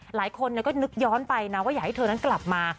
หลายคนก็นึกย้อนไปนะว่าอยากให้เธอนั้นกลับมา